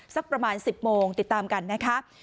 สักประมาณ๑๐โมงติดตามกันนะคะ